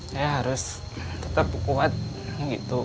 saya harus tetap kuat gitu